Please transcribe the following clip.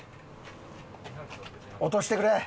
落としてくれ。